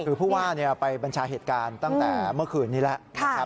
คือผู้ว่าไปบัญชาเหตุการณ์ตั้งแต่เมื่อคืนนี้แล้วนะครับ